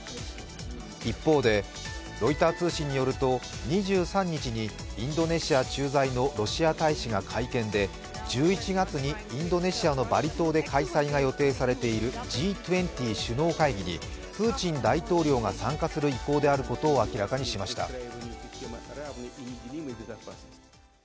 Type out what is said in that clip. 一方でロイター通信によると２３日にインドネシア駐在のロシア大使が会見で１１月にインドネシアのバリ島で開催が予定されているＧ２０首脳会議にプーチン大統領が参加する意向であることを明らかにしました。